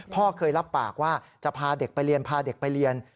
พ่อเคยรับปากว่าจะพาเด็กไปเรียนพาเด็กไปเรียน